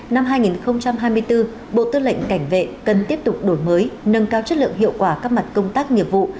năm hai nghìn hai mươi bốn bộ tư lệnh cảnh vệ cần tiếp tục đổi mới nâng cao chất lượng hiệu quả các mặt công tác nghiệp vụ